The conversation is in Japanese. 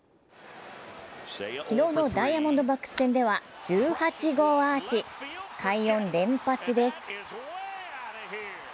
昨日のダイヤモンドバックス戦では１８号アーチ、快音連発です。